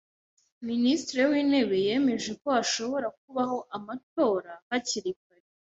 Minisitiri w’intebe yemeje ko hashobora kubaho amatora hakiri kare.